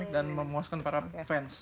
dan memuaskan para fans